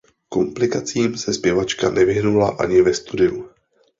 Komplikacím se zpěvačka nevyhnula ani ve studiu.